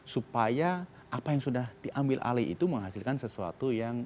supaya apa yang sudah diambil alih itu menghasilkan sesuatu yang